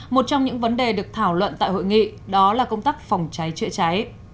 một trong những vấn đề được thảo luận tại hội nghị đó là công tác phòng cháy chữa cháy